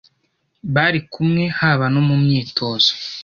bari kumwe haba no mu myitozo,